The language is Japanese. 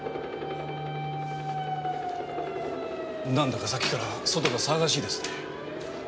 なんだかさっきから外が騒がしいですね。